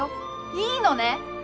いいのね？